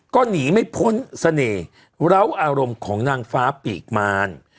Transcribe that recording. ก็หนีไม่พ้นเสน่ห์เหล้าอารมณ์ของนางฟ้าปีกมาร